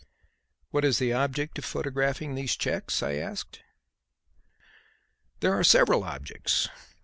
"What is the object of photographing these cheques?" I asked. "There are several objects.